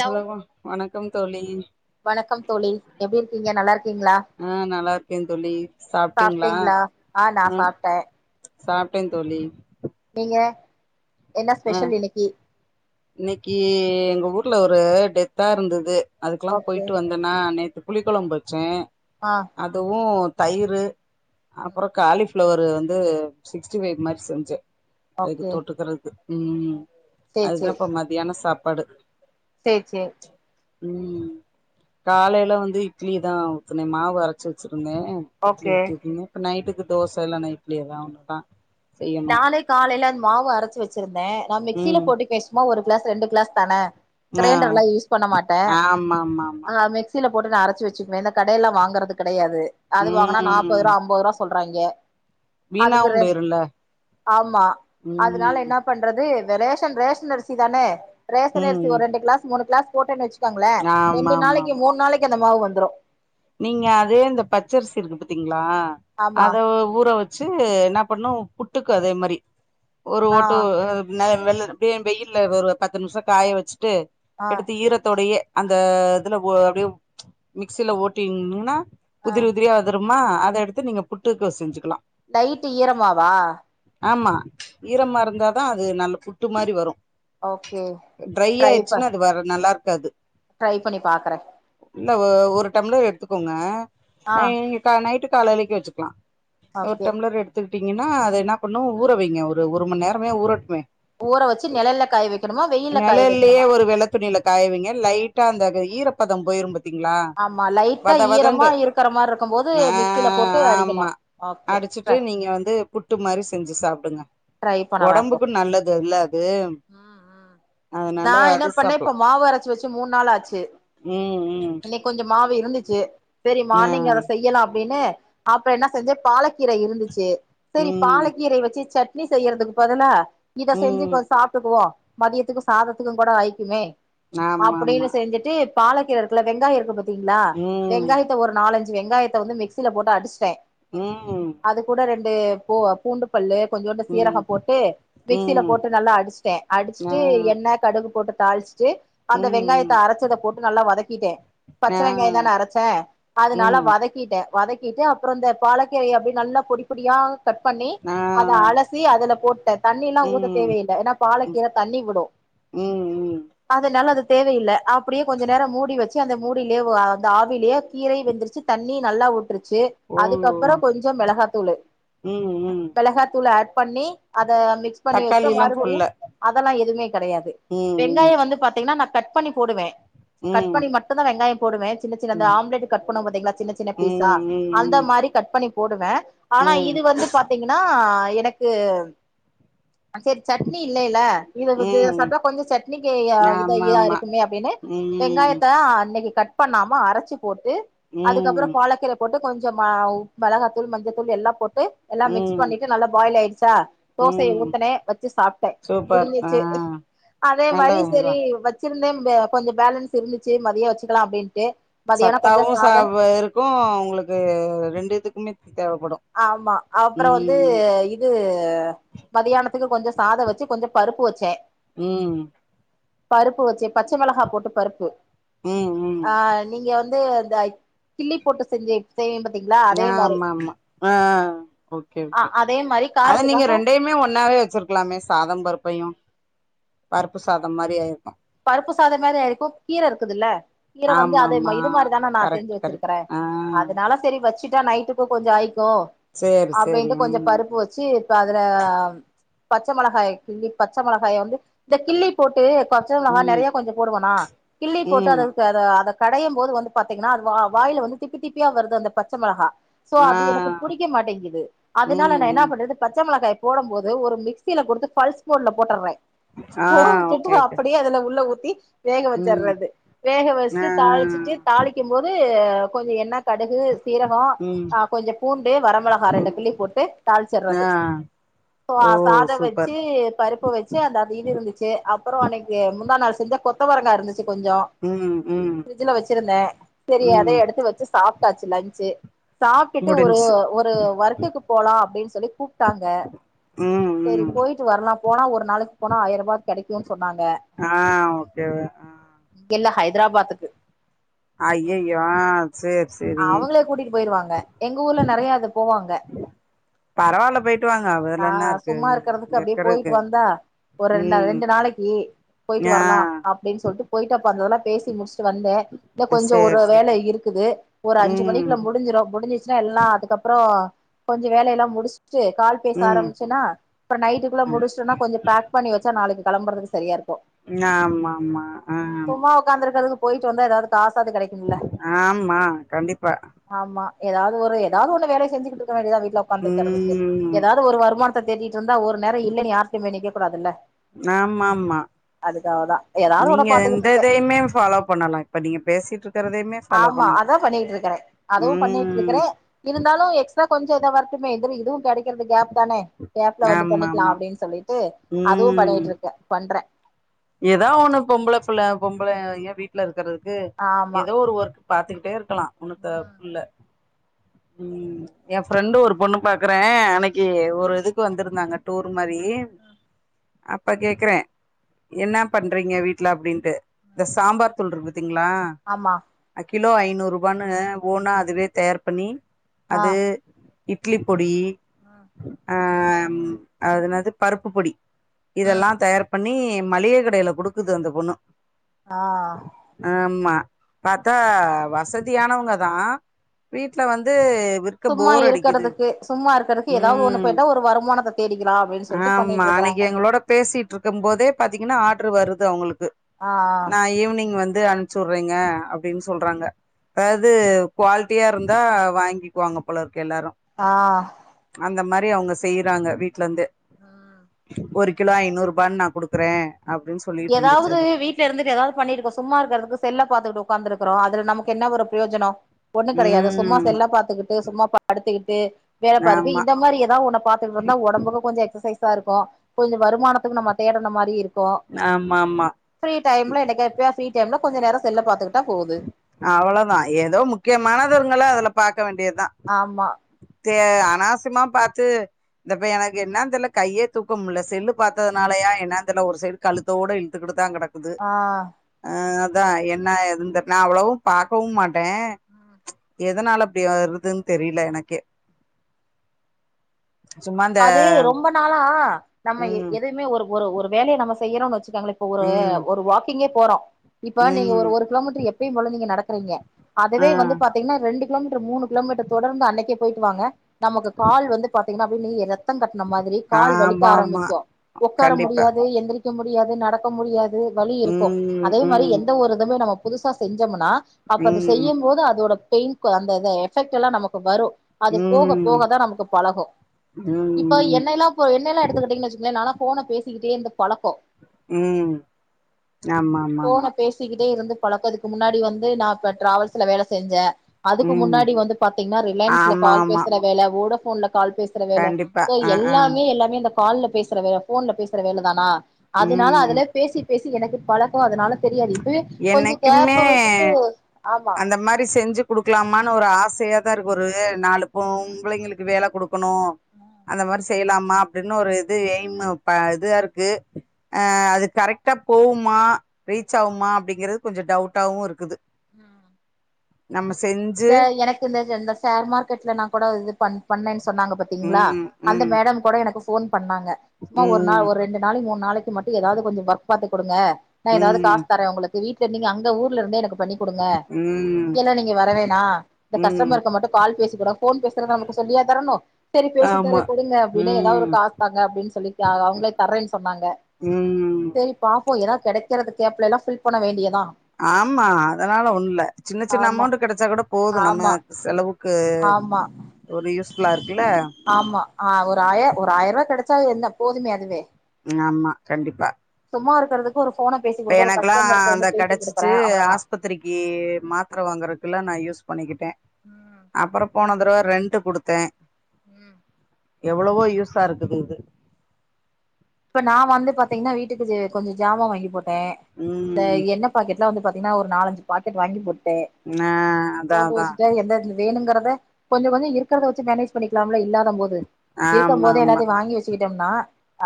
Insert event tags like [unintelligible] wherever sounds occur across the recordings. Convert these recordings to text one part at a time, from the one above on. hello வணக்க தோழி வணக்கம் தோழி எப்படி இருக்கீங்க நல்லா இருக்கீங்களா ஆ நல்லா இருக்கே தோழி சாப்பிட்டீங்களா சாப்ட்டீங்களா ஆ நா ம் சாப்ட்டே சாப்ட்டேன் தோழி நீங்க என்ன ஆ ஸ்பெஷல் இன்னைக்கு இன்னைக்கு எங்க ஊர்ல ஒரு டெத்தா இருந்தது அதுக்கெல்லா ஓகே போயிட்டு வந்து ன்னா நேத்து புளிக்குழம்பு வச்சே ஆ அதுவு தயிர் அப்பறோ காலிப் ஃபிளவரு வந்து சிக்ஸ்டி ஃபைவ் மாரி செஞ்சே அதுக்கு ஓகே தொட்டுக்கிறதுக்கு ம் சேரி அதுதா இப்ப மதியான சாப்பாடு சேர் சேர் ம் காலயில வந்து இட்லி தா ஊத்னே மாவு அரச்சு வச்சிருந்தே இட்லி ஓகே ஊத்தி வைக்கனு இப்ப நைட்டுக்கு தோசை இல்லன்னா இட்லி ஏதாவ ஒண்ணுதா செய்யணு நானே காலையில அந்த மாவு அரைச்சு வச்சிருந்தே நா மிக்சில ம் போட்டு மேக்சிம ஒரு கிளாஸ் ரெண்டு கிளாஸ் தானே ஆ கிரைண்டர் எல்லா யூஸ் பண்ண மாட்டே ஆமா ஆமா ஆமா ஆ மிக் மிக்சில போட்டு ந அரைச்சு வச்சுக்குவே இந்த கடைல வாங்குறது கிடயாது அது வாங்குனா நாப்பது ம் ரூபா ஐம்பது ரூபா சொல்றாங்க வீனாவு போய்ருல ஆமா அதனால என்ன பண்றது இந்த ரேஷன் ரேஷன் அரிசி தானே ரேஷன் அரிசி ம் ஒரு ரெண்டு கிளாஸ் மூணு கிளாஸ் போட்டேன்னு வச்சுக்கோங்களே ஆமா ரெண்டு ஆமா நாளைக்கு ஆமா மூணு நாளைக்கு அந்த மாவு வந்துரு நீங்க அதே இந்த பச்சரிசி இருக்கு பாத்தீங்களா ஆமா அத ஊற வச் வச்சு என்ன பண்ணு புட்டுக்கு அதே மாதிரி ஒரு ஆ ஓட்டு வெள்ள அப்டியே வெயில ஒரு பத்து நிமிஷ காய வச்சுட்டு ஆ எடுத்து ஈரத்தோடையே அந்த இதுல அப்படியே மிக்சியில ஓட்டின்னா ஆ உதிரி உதிரியா வந்துருமா அதை எடுத்து நீங்க புட்டுக்கு செஞ்சுக்கலா டைட் ஈரமாவா ஆமா ஈரமா இருந்தாதா அது நல்ல புட்டு மாரி வரு ஓகே ட்ரை ஆயிடுச்சுன்னா அது வற நல்லா இருக்காது ட்ரை பண்ணி பாக்குறே இல்ல ஒரு டம்ளர் எடுத்துக்கோங்க ஆ நை நைட்டு காலேலக்கு வச்சுக்கலா ஒரு ஓகே டம்ளர் எடுத்துக்கிட்டீங்கன்னா அத என்ன பண்ணு ஊற வைங்க ஒரு மன்நேரமே ஊறட்டுமே ஊற வச்சு நெழல்ல காய வைக்கணுமா வெயில காய வைக்கணுமா துணில காயவீங்க லைட்டா அந்த ஈரப்பத போயிரு பாத்தீங்ளா ஆமா லைட்டா ஈரமா இருக்கற மாரி இருக்கு போது மிக்சியில போட்டு அடிக்கணு ஓகே அடிச்சிட்டு ட்ரை நீங்க வந்து புட்டு மாரி செஞ்சு சாப்டுங்க ட்ரை பண்ணறே அப்போ ஒடம்புக்கு நல்லது அல்ல அது ம் ம் அதனால நா என்ன அது பண்ணே சாப்லா இப்ப மாவு அரச்சி வச்சு மூந்நாள் ஆச்சு ம் ம் இன்னைக்கு கொஞ்சோ மாவு இருந்துச்சு சரி ம் ஆ மார்னிங் அத செய்யலா அப்டின்னு அப்றோ என்ன செஞ்ச பாலக்கீர இருந்துச்சு சேரி ம் பாலக்கீரய வச்சு சட் ட்னி செய்யறதுக்கு பதல்லா இத செஞ்சி ம் கொஞ்சோ சாப்டுக்குவோ மதியத்துக்கு சாதத்துக்கு கூட ஆய்க்குமே ஆமா அப்டின்னு ஆமா செஞ்சுட்டு பாலக்கீர இருக்குல வெங்காய இருக்கு பாத் திங்ளா ம் வெங்காயத்த ஒரு நாலஞ்சு வெங்காயத்த வந்து மிக்ஸ் சில போட்டு அடிச்ட்டே ம் அது கூட ரெண்டு பூ பூண்டு பல்லு கொஞ்சோண்டு ம் சீரகம் போட்டு மிக்சில ம் போட்டு நல்லா அடிச்ட்டே ஆ அடிச்சுட்டு எண்ண கடுகு போட்டு தாளிச்ட்டு அந்த ம் வெங்காயத்த அரச்சத போட்டு நல்லா வதக்கிட்டே பச்ச ஆ வெங்காய தான அரச்சே அதனால ம் வதக் கிட்டே வதக்கிட்டு அப்றோ இந்த பாலக்கீரய அப்டி நல்லா பொடி பொடியா கட் பண்ணி ஆ அத அலசி அதுல போட்டே தண்ணிலா ஊத்த ம் தேவயில்ல ஏனா பாலக்கீர தண்ணி வுடு ம் ம் அதனால அது தேவயில்ல அப்டியே கொஞ்ச நேரோ மூடி வச் ச்சு அந்த மூடிலயே அந்த ஆவிலேயே கீரயு வெந்துருச்சு தண்ணி நல்லா உட்டுருச்சு ஓ அதுக்கப்றோ கொஞ்சோ மெளகாத்தூளு ம் ம் மெளகாத்தூளு ஆட் பண்ணி அத மிக்ஸ் பண்ணி வச்ட்டு தக்காளில்லா மறுபடியு போட்ல அதெல்லா எதுவுமே கெடையாது ம் வெங்காய வந்து பாத்தீங்கனா நா கட் பண்ணி போடுவே ம் மட்டுதா வெங்காயோ போடுவே சின்ன சின்னதா ம் ஆம்லட் கட் பண்வோ பாத்தீங்களா சின்ன சின்ன பீஸா ம் அந்த ம் மாரி கட் பண்ணி போடுவே ஆனா ம் ம் இது வந்து பாத்தீங்கனா எனக்கு செரி சட்னி இல்லயில்ல இ இது ம் சாப்டா கொஞ்சோ சட்னிக்கு எ இத ஆமா ஆமா இருக்குமே அப்டினு ம் வெங்காயத்த அன்னைக்கு கட் பண்ணாம அரச்சு போட்டு அதுக்கப்றோ ம் பாலக்கீர போட்டு கொஞ்சம் மா மெளகாத்தூள் மஞ்சத்தூள் எல்லா போட்டு எல்லா மிக்ஸ் ம் பண்ணிட்டு நல்லா பாயில் ஆயிடுச்சா தோசைய ம் ஊத்தனே வச்சு சாப்ட்டே சூப்பர் ஆ முடிஞ்சிச்சு அதே நல்ல மாரி இதுதா சரி வச்சிருந்தே கொஞ்சோ பேலன்ஸ் இருந்துச்சு மதியோ வெச்சுக்கலா அப்டின்ட்டு மதியானோ கொஞ்சோ சத்தாவு சா சாதம் வ இருக்கு உங்ளுக்கு ரெண்டு இதுக்குமே தேவப்படு ஆமா அப்றோ வந்து ம் இது மதியானத்துக்கு கொஞ்சோ சாதோ வச்சு கொஞ்சோ பருப்பு வச்சே ம் பருப்பு வச்சே பச்ச மெளகா போட்டு பருப்பு ம் ம் ஆ நீங்க வந்து இந்த கில்லி போட்டு செஞ்ச செய்வீங் பாத்தீங்ளா ஆம்மாமா ஆ ஓகே ஆ ஓகே அதே மாரி அத நீங்க காரத்துக்காக ரெண்டயுமே ஒன்னாவே வெச்சிருக் க்கல்லாமே சாதம் பருப்பையு பருப்பு சாதம் மாரி ஆயிருக்கு பருப்பு சாதம் மாரி ஆயிருக்கு கீர இருக்குதுல்ல கீர வந்து அத ஆமாமா இது மாரிதான நா செஞ்சு கரெக்ட் கரெக்ட் வெச்சிருக்கறே ஆ அதனால சரி வச்சுட்டா நைட்டுக்கு கொஞ்சோ ஆய்க்கு சேரி சேரி அப்டின்ட்டு கொஞ்சோ ம் பருப்பு வச்சு அதுல பச்ச மெளகாய கிள்ளி பச்ச மிளகாய வந்து இந்த கிள்ளி போட்டு [unintelligible] கா ம் நெறய கொஞ்ச போடுவனா கிள்ளி போட்டு ம் அததுக்கு அத கடையு போது வந்து பாத்தீங்கனா அது வாயில வந்து திப்பி திப்பியா வருது அந்த பச்ச மெளகா சோ ஆ அது எனக்கு புடிக்க மாட்டேங்குது அதனால நா ம் என்னா ம் பண்றது பச்ச மிளகாய போடும் போது ஒரு மிக்சிய கொடுத்து பள்ஸ் மோடுல போட்டர்றே ஆ ஓகே ஓகே அதுல உள்ள ஊத்தி வேக ம் வச்சறது வேக வச்சுட்டு ஆ தாலிச்சிட்டு தாளிக்கும் போது கொஞ்ச என்ன கடுகு சீரகோ ம் ஆ கொஞ்ச பூண்டு வரமிளகா ரெண்டு கிள்ளி போட்டு தாளிச்சர்றது ஆ ப்வா ஓ சாத வச்சி சூப்பர் பருப்பு வச் ச்சு அந்த அது இது இருந்துச்சு அப்புறோ அன்னைக்கு முந்தா நாள் செஞ்ச கொத்தவரங்காய் இருந்துச்சு கொஞ்சோ ம் ம் ஃபிருட்ஜ்ல வச்சிருந்த செரி அதே ம் எடுத்து வச்சு சாப்ட்டாச்சு லன்ச்சு சாப்ட்டுட்டு ஒரு முடிஞ்ச்சு ஒரு ஒர்க்குகு போலா அப்டின் சொல்லி கூப்டாங்க ம் சேரி ம் போய்ட்டு வர்லா போனா ஒரு நாளைக்கு போனா ஆயிர ரூபா கெடைக்கூன் சொன்னாங்க ஆ ஓக்கே ஓ இங்கெல்ல ஹைதராபாத்துக்கு ஐய்யயோ சேர் செரி அவங்களே கூட்டிட்டு போயிருவாங்க எங்க ஊர்ல நறைய அது போவாங்க பரவால்ல போயிட்டு வாங்க ஆ அதுல என்ன இருக்கு சும்மா இருக்கறதுக்கு இங்க அப்டியே போயிட்டு இருக்கறதுக்கு வந்தா ஒரு ரெண்ட ம் ரெண்டு நாளைக்கி போயிட்டு வரலா அப் டின் சொல்ட்டு போயிட்டு அப்ப அந்ததெல்லாம் பேசி முடிஸ்ட்டு வந்தே இல்ல ஆ கொஞ்சோ ஒரு சேரி சேரி வேல இருக்குது ஒரு அஞ்சு மணிக்குல ம் முடிஞ்சிரு முடிஞ்சிச்சுன்னா எல்லா அதுக்கப்புறோ கொஞ்சோ வேல எல்லா முடிஸ்ட்டு கால் பேச ம் ஆரம்ச்சன்னா இப்ப நைட்டுக்குள்ள முடிஸ்ட்டன்னா கொஞ்சோ பேக் பண்ணி வெச்சா நாளைக்கு கெளம்புறதுக்கு சரியா இருக்கூ நா ஆமா ஆமா ஆ உக்காந்துறுக்கறதுக்கு போய்ட்டு வந்தா ஏதாது காசாது கெடைக்குமுல்ல ஆமா கண்டிப்பா ஆமா ஏதாது ஒரு ஏதாவ்து ஒன்னு வேலய செஞ்சுக்கிட்டு இருக்க வேண்டியதா வீட்டுல உக்காந்துருக்கறதுக்கு ம் எதாவ்து ஒரு வருமானத்த தேட்டிட்ருந்தா ஒரு நேர இல்லனு யார்டயும் போய் நிக்க கூடாதுல்ல ஆம்மாமா அதுக்காகதான எதோ நீங்க எந்ததையுமே ஃபாலோ பண்ணலா இப்போ நீங்க பேசிட்ருக்கறதையுமே ஃபாலோ ஆமா பண்ணலா அதா பண்ணிகிட்ருக்கறே அதுவு ம் பண்ணிகிட்ருக்கறே இருந்தாலு எக்ஸ்ட்ரா கொஞ்ச எதா வரட்டுமே இது இதுவு கெடக்கிறது கேப் தானே கேப்ல வந்து ஆமா பண்ணிக்லா ஆமா அப்டின் சொல்லிட்டு அதுவும் பண்ணிகிட்ருக்கே பண்றே எதாவ் ஒண்ணு பொம்பள பிள்ள பொம்பளை ஏன் வீட்டுல இருக்கிறதுக்கு ஆமா எதோ ஒரு ஒர்க் பாத்துக்கிட்டே இருக்கலா ஒன்னுத்த ம் ப்புள்ள ம் என் ஃப்ரெண்டு ஒரு பொண்ணு பாக்குறே அன்னைக்கி ஒரு இதுக்கு வந்துருந்தாங்க டூர் மாரி ம் அப்ப கேக்குறே என்னா பண்றீங்க வீட்ல அப்டின்ட்டு இந்த ம் சாம்பார் தூள் இருக்கு பதீதீங்களா ஆமா அ கிலோ ஐநூறு ரூபான்னு ஓனா அதுவே தயார் பண்ணி அது இட்லி பொடி ஆ ஆம் அது நாது பருப்பு பொடி ம் இதெல்லா தயார் பண்ணி மளிக கடயில குடுக்குது அந்த பொண்ணு ஆ ஆமா பாத்தா வசதியானவுங்க தா வீட்ல வந்து விர் சும்மா இருக்கிறதுக்கு சும்மா இருக்கிறக்கு ஏதாவ்து ஒண்ணு ம் போய்ட்டா ஒரு வருமானத்த தேடிக்கலா அப்டினு சொல்ட்டு பண்ணிட்ருக்கறாங்க பேசிட்ருக்கும் போதே பாத்தீங்கன்னா ஆர்ட்ரு வருது அவுங்களுக்கு ஆ நா ஈவ்னிங் வந்து சுர்ரேங்க அப்டின் சொல்றாங்க அதாது குவாலிட்டியா இருந்தா வாங்கிக்கு வாங்க போல இருக்கு எல்லாரு ஆ அந்த மாரி அவுங்க செய்யறாங்க வீட்டுல இருந்தே ஆ ஒரு கிலோ ஐநூறு ரூபான்னு நா குடுக் குறே அப்டின் சு எதாவது வீட் வீட்ல இருந்துட்டு எதாவது பண்ணிருக்கோ சும்மா இருக்றதுக்கு செல்ல பாத்துட்டு ஒக்காந்துருக்குறோ அதுல நமக்கு என்ன ஒரு பிரயோஜனோ ஒண்ணு கெடையாது சும்மா ம் செல்ல பாத்து கிட்டு சும்மா படுத்துக்கிட்டு வேல பாருக்கூ ஆமா இந்த மாரி எதா ஒன்ன பாத் துட்ருந்தா ஒடம்புக்கு கொஞ்சொ எக்சசைஸா இருக்கு கொஞ்சொ வருமானத்துக்கு நம்ம தேடுன மாரி இருக்கு ஆமாமா ஃப்ரீ டைம்ல என்னைக்காச்சு ஃப்ரீ டைம்ல கொஞ்சொ நேரோ செல்ல பாத்துக்கிட்டா போவுது அவ்வளொதா ஏதோ முக்கியமானதுருங்கள அதுல பாக்க வேண்டியதா ஆமா தே அனாசியமா பாத்து இந்தப்பெ எனக்கு என்னான் தெர்ல கையே தூக்க முட்ல செல்லு பாத்ததுனாலையா என்னான் தெரில ஒரு சைடு கழுத்தோட இழுத்துக்கிட்டு தா கெடக் குது ஆ ஆ அதா என்ன ஏதுன் தெர் நா அவ்வளவு பாக்கவு மாட்டே ம் எதனால அப்டி வருதுன் தெரியல எனக்கே சும்மா அந்த அது ரொம்ப நாளா நம்ம ம் எதுவுமே ஒரு ஒரு ஒரு வேலைய நம்ம செய்யிறோன் வச்சுக்கோங்களே இப்ப ஒரு ம் ஒரு வாக்கிங்கே போறோஇப்ப நீங்க ம் ஒரு ஒரு கிலோமீட்ரு எப்பயும் போல நீங்க நடக்குறிங்க ஆ அதவே வந்து பாத்திங்கனா ரெண்டு கிலோமீட்ரு மூணு கிலோமீட்ரு தொடர்ந்து அன்னைக்கே பொயிட்டு வாங்க நமக்கு கால் வந்து பாத்தீங்கனா அப்டியே நீ ரெத்தொ கட்ன மாரி த்ரி கால் வலிக்க ஆமா ஆமா ஆரம்பிக்கு ஒக்கார கண்டிப்பா முடியாது எந்திரிக்க முடியாது நடக்க முடியாத் து வலி இருக்கு ம் அதே மாரி ம் எந்த ஒரு இதுமே நம்ம புதுசா செஞ்சமுனா அப்ப அத ம் செய்யம்போது அதோட பெயிண்கொ அந்த இத எஃபெக்ட் எல்லா நமக்கு வரு அது போக ம் போகதா நமக்கு பழகு இப்ப ம் என்னெயெல்லா பொ என்னெயெல்லா எடுத்துக்கிட்டைங்கன் வச்சிக்குங்ளே நாளா போன பேசிக்கிட்டே இந்த பழக்கொ ம் ஆமா ஆமா ஆமா போன பேசிக்கிட்டே இருந்து பழக்கொ இதுக்கு முன்னாடி வந்து நா ப டிராவல்ஸ்ல வேல செஞ்சே அதுக்கு ம் முன்னாடி வந்து பாத்தெங்னா ரிலையன்ஸ்ல ஆமா கால் ஆமா பேசுற வேல ஓடபோன்ல கால் பேச சுற வேலை கண்டிப்பா சோ ஆ ஆ எல்லாமே எல்லாமே இந்த கால்ல பேசுற வேல போன்ல பேசுற வேலதானா அதுனால ம் அதுலயே பேசி பேசி எனக்கு பழக்கோ அதனால தெரியாது இப்பவே கொஞ்ச கேப்பு விட்டுட்டு ஆமா இந்த மாரி செஞ்சுக் குடுக்லாமான் ஒரு ஆசையாதா இருக்கு ஒரு நாலு பொம்ளைங்களுக்கு வேல கொடுக் கணூ ம் அந்த மாரி செய்யலாமா அப்டின்னு ஒரு இது எய்மு ப இது ஆருக்கு ஆ அது கரெக்டா போவுமா ரீச் ஆவுமா அப்டிங்கறது கொஞ்சொ டவுட்டாவு இருக்குது ம் நம்ம செஞ் இந்த எனக்கு இந்த இந்த ஷேர் மார்க்கெட்ல நா கூட இது ப பண்ணென் சொன்னாங்க பாத் திங்ளா ம் அந்த ம் மேடம் கூட எனக்கு போன் பண்ணாங்க சும்மா ஒரு நாள் ம் ஒரு ரெண்டு நாளைக் மூணு நாளைக்கு மட்டு எதாவது கொஞ்சொ ஒர்க் பாத்து கொடுங்க நா எதாவது ம் காசு தரே ஒங்களுக் வீட்ல நீங்க அங்க ஊர்லருந்தே எனக்கு பண்ணி குடுங்க ம் இங்கெல்லா நீங்க வரவேணா இந்த ம் கஸ்டமருக்கு மட்டு கால் பேசிக்கூட போன் பேசற நமக்கு சொல்லியா தரணு செரி பேசித் தரெ ஆமா கொடுங்க அப்டின்னே எதாவொரு ம் காசு தாங்க அப்டின் சொல்லிர்க்ளா அ அவங்ளே தர்றேன் சொன்னாங்க உம் செரி பாப்போ எதா கெடைக்குற இந்த கேப்லை எல்லா ஃபில் பண்ண வேண்டியதா ஆமா அதனால ஒண்ணுல்ல சின்ன சின்ன ஆமா அமௌண்டு கெடச்சா கூட போதூ ஆமா நம்ம செலவுக்கு ஆமா ஒரு யூஸ்ஃபுல்லா இருக்குல்ல ஆமா ஆ ஒரு ஆயே ஒரு ஆயர் ரூவாக் கெடச்சா என்ன போதுமே அதுவே ஆமா கண்டிப்பா சும்மா இருக்கிறதுக்கு ஒரு ஃபோன பேசி இப்ப கொடுக்கற ஒரு கஸ்டமர் கிட்ட இருந்து பேசி கொடுக்குறே அவ்ளோதா பத்திரிக்கு மாத்தர வாங்குறதுக்குல்லா நா யூஸ் பண்ணிக்கிட்டே அ அப்புறோ போன தடவ ரெண்ட்டு குடுத்தே ம் எவ்ளவோ யூஸ்ஸா இருக்குது இது இப்ப நா வந்து பாத்தீங்கன்னா வீட்டுக்கு கொஞ்சோ ஜாமா வாங்கி போட்டே ம் இந்த எண்ணெ பாக்கெட்லா வந்து பாத்தீங்கன்னா ஒரு நாலஞ்சு பாக்கெட் வாங்கி போட்டே ஆ அதா போட்டு அதா வச்சுட்டு எந்த இ வேணுங்கறத கொஞ்சோ கொஞ்சோ இருக்கறத வச்சு மேனேஜ் பண்ணிக்கலாம்ல இல்லாதம் போது இருக்கும் ஆமா போத ஆமா எல்லாத்தையு வாங்கி வச்சுக்கிட்டோம்னா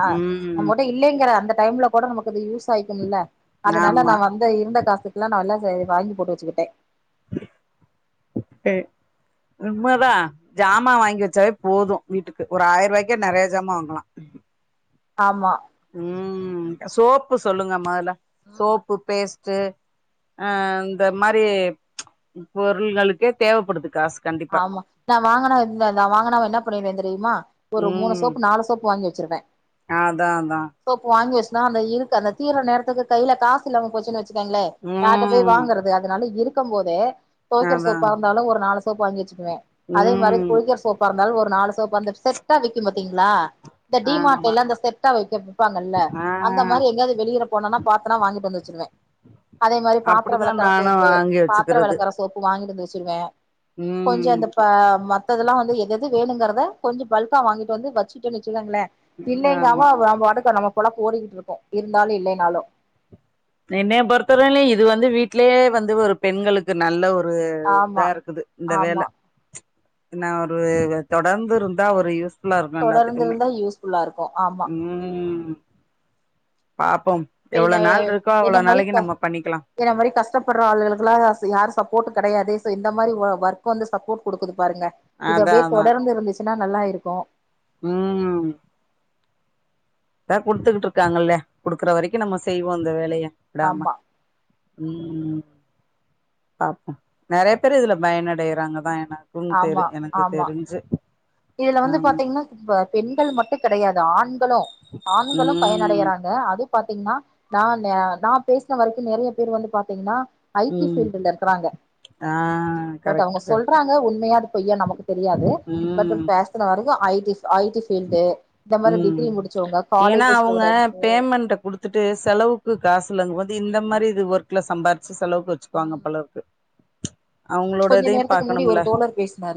ஆ ம் நம்மகிட்ட இல்லைங்கிற அந்த டைம்ல கூட நமக்கு அது யூஸ் ஆயிக்கும்ல அதனால ஆமா நா வந் இந்த இருந்த காசுக்கெல்லா நா ஜா எல்லா வாங்கி போட்டு வச்சுக்கிட்டே ஏய் உண்மதா ஜாமா வாங்கி வச்சாவே போது வீட்டுக்கு ஒரு ஆயிர ரூவாய்க்கே நெறையா ஜாமான் வாங்கலா ஆமா ம் சோப்பு சொல்லுங்க மொதல்ல ம் சோப்பு பேஸ்ட் டு அ இந்த மாரி பொருள்களுக்கே தேவப்படுது காசு கண்டிப்பா ஆமா நா வாங்கனா [unintelligible] னா வாங்கனா அவ என்ன பண்ணிருவே தெரியுமா ஒரு மூணு சோப்பு நாலு சோப்பு வாங்கி வச்சிருவே ஆ அதா அதா சோப்பு வாங்கி வச்சுன்னா அந்த இருக்கு அந்த தீர நேரத்துக்கு கையில காசு இல்லாம போச்சுன்னு வச்சுக்காங்களே யார்ட்ட போயி ம் வாங்குறது அதனால இருக்கும் போதே தொவைக்கிற அதா சோப்பா இருந்தாலு ஒரு நாலு சோப்பு வாங்கி வச்சுக்குவே அதே மாரி ம் குளிக்கிற சோப்பா இரு இருந்ததாலு ஒரு நாலு சோப் அந்த செட்டா விக்கும் பாத்தீங்களா இந்த டிமார்ட்ல ஆமா லா அந்த செட்டா வச்சு விப்பாங்கல்ல ஆ அந்த மாரி எங்காவது வெளியில போனனா பாத்தனா வாங்கிட்டு வந்து வச்சிருவே அதே மாரி பாத்தரோ அப்டிதா வெளக்கற நானு சோப்பு வாங்கி பாத்தரோ வச்சுக்கிறது வெளக்கற சோப்பு வாங்கிட்டு வந்து வச்சுருவே கொஞ்சோ ம் அந்த பா மத்ததெல்லா வந்து எது எது வேணுங்கிறத கொஞ்சோ பல்கா வாங்கிட்டு வந்து வச்சுட்டேனு வச்சுக்கோங்களே ஆமா இல்லைங்காம அ வ நம் நம்ம பாட்டுக்க நம்ம பொழப்பு ஓடிக்கிட்டு இருக்கு இருந்தாலு இல்லைனாலு என்னைய பொறுத்தவருல்லையு இது வந்து வீட்லேயே வந்து ஒரு பெண்களுக் நல்ல ஒரு ஆமா இதா இருக்குது இந்த ஆமா வேல நா ஒரு தொடர்ந்து இருந்தா ஒரு யூஸ் ஃபுல்லா இருக்கு தொடர்ந்து எல்லாத்துக்குமே இருந்தா யூஸ்ஃபுல்லா இருக்கு ஆமா ம் பாப்போம் எவ்வளோ பெயினாவே நாள் இருக்கோ என்ன அவ்வளோ நாளைக்கு மரிக்கா நம்ம பண்ணிக்கலா என்ன மாரி கஷ்டப்படுற ஆளுகளுக்கெல்லா யாரு சப்போர்ட் கெடையாது சோ இந்த மாரி ஓ ஒர்க்கு வந்து சப்போர்ட் குடுக்குது பாருங்க இது அதா அப்டியே அதா தொடர்ந்து இருந்துச்சுன்னா நல்லா இருக்கு ம் அதா குடுத்துக்கிட்டு இருக்காங்கல்ல குடுக்குற வரைக்கு நம்ம செய்வோ இந்த வேலய விடாம ஆமா ம் பாப்போ நெறையா பேரு இதுல பயனடையறாங்கதா ஏனா ம் தெரு ஆமா எனக்கு ஆமா தெரிஞ்சு இதுல வந்து ஆமா பாத்தீங்கன்னா பெண்கள் மட்டு கெடையாது ஆண்களு ஆண்களு ம் பயனடையறாங்க அது பாத்தீங்னா நா நா பேசின வரைக்கு நெறையா பேரு வந்து பாத்தீங்னா ஐடி ம் பீல்டல இருக்கறாங்க ஆ பட் அவங்க கரெக்ட் கரெக்ட் சொல்றாங்க உண்மையா பொய்யா நமக்கு தெரியாது பட் ம் பேசன வரைக்கும் ஐடிஸ் ஐடிஸ் பீல்டு இந்த மாரி ம் டிகிரி முடிச்சவங்க காலேஜ் ஸ்டூடெண்ட்சு பத்துட்டு செலவுக்கு காசு இல்லங்க போது இந்த மாரி இது ஒர்க்ல சம்பாிச்சு செலவுக்கு வச்சுக்குவாங்க போல இருக்கு கொஞ்ச அவங்களோடதையும் நேரத்துக்கு முன்னாடி ஒரு பாக்கணும்ல தோழர் பேசினாரு